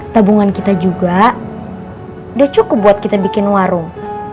tabungan kita juga sudah cukup buat kita bikin warung